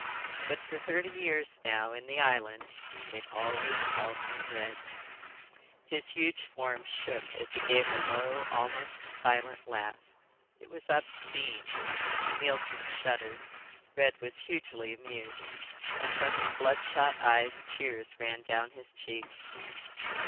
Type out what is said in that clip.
But for thirty years now in the islands they've always called me Red." His huge form shook as he gave a low, almost silent laugh. It was obscene. Neilson shuddered. Red was hugely amused, and from his bloodshot eyes tears ran down his cheeks.